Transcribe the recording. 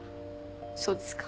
そうですか。